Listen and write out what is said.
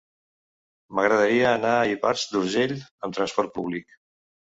M'agradaria anar a Ivars d'Urgell amb trasport públic.